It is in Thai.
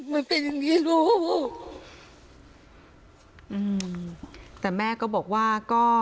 มันเป็นอย่างงี้ลูกอืมแต่แม่ก็บอกว่าก็